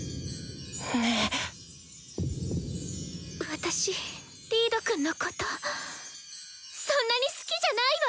私リードくんのことそんなに好きじゃないわ。